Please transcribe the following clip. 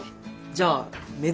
じゃあめ